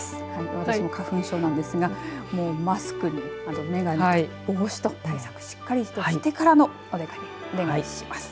私も花粉症なんですがマスクに眼鏡と帽子と対策しっかりとしてからのお出かけお願いします。